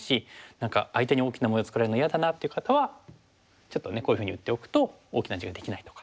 何か相手に大きな模様を作られるの嫌だなっていう方はちょっとねこういうふうに打っておくと大きな地ができないとか。